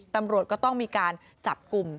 ตำรวจก็ต้องมีการจับกลุ่ม